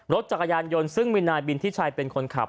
รถจักรยานยนต์ซึ่งมีนายบินทิชัยเป็นคนขับ